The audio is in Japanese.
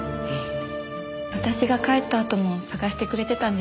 私が帰ったあとも捜してくれてたんです。